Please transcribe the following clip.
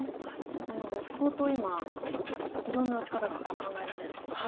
なので相当今いろんな打ち方が考えられるということで。